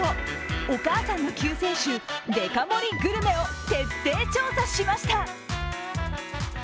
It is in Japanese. お母さんの救世主デカ盛りグルメを徹底調査しました。